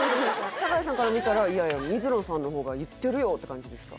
坂井さんから見たらいやいや水野さんの方が言ってるよって感じですか？